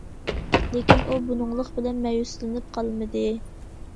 لېكىن ئۇ بۇنىڭلىق بىلەن مەيۈسلىنىپ قالمىدى.